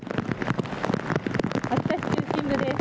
秋田市中心部です。